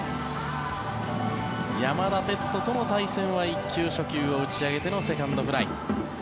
山田哲人との対戦は１球初球を打ち上げてのセカンドフライ。